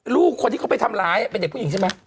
ลูกคนที่เขาไปทำร้ายเป็นเด็กผู้หญิงใช่ไหม